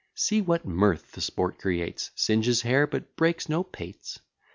See what mirth the sport creates! Singes hair, but breaks no pates.